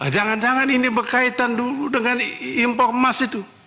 jangan jangan ini berkaitan dulu dengan impor emas itu